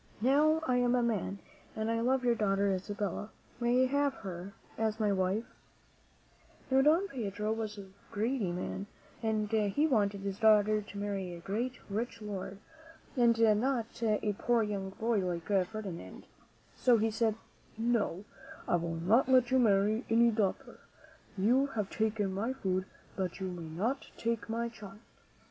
Now I am a man and I love your daughter, Isabella. May I have her as my wife?" Now, Don Pedro was a greedy man, and he wanted his daughter to marry a great, rich lord, (0? T~^ ^ THE MEN WHO FOUND AMERICA ' ^^^^W ^ and not a poor young boy like Ferdinand. So he said, "No, I will not let you marry my daughter. You have taken my food, but you may not take my child."